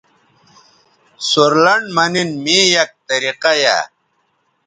سورلنڈ مہ نِن می یک طریقہ یائ